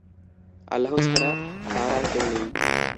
আল্লাহ ছাড়া তার আর কেউ নেই।